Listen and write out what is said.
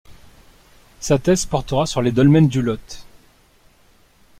Sa thèse portera sur les dolmens du Lot.